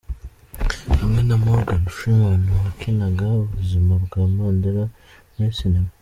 Hamwe na Morgan Freeman wakinaga ubuzima bwa Mandela muri cinema.